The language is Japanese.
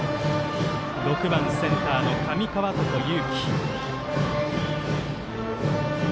６番、センターの上川床勇希。